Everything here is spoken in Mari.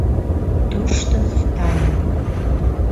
Тушто — Сталин.